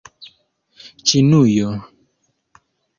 ĉinujo